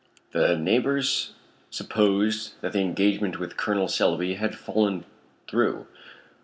The neighbors supposed that the engagement with Col. Selby had fallen through.